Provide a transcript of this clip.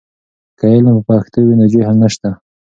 که علم په پښتو وي، نو جهل نشته.